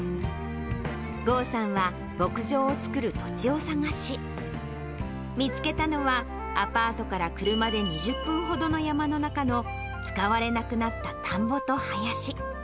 豪さんは、牧場を作る土地を探し、見つけたのは、アパートから車で２０分ほどの山の中の使われなくなった田んぼと林。